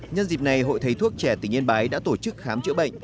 nhân dịp này hội thấy thuốc trẻ tình yên bái đã tổ chức khám chữa bệnh